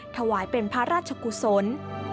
ถวายเป็นพระราชกุศล